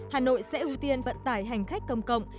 hà nội sẽ ưu tiên vận tải hành khách công cộng